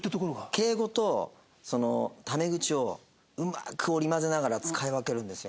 敬語とタメ口をうまく織り交ぜながら使い分けるんですよ。